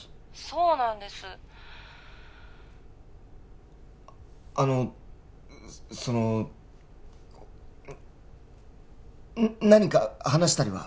☎そうなんですあのその何か話したりは？